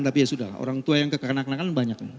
tapi ya sudah lah orang tua yang kekanakan kanakan banyak